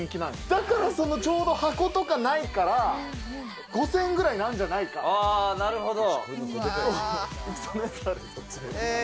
だからそのちょうど箱とかないから、５０００円ぐらいになるんじなるほど。